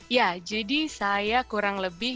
ya jadi saya kurang lebih